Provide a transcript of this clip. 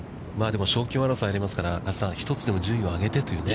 でも、賞金王争いがありますから、一つでも順位を上げてというね。